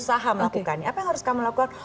apa yang harus kamu lakukan